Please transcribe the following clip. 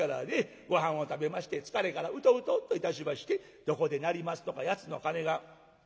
ごはんを食べまして疲れからうとうとといたしましてどこで鳴りますとか八つの鐘が。